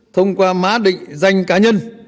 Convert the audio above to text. thông qua má định danh cá nhân